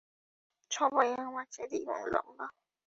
সবাই আমার চেয়ে দ্বিগুণ লম্বা।